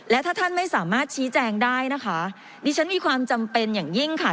และถ้าท่านไม่สามารถชี้แจงได้นะคะดิฉันมีความจำเป็นอย่างยิ่งค่ะ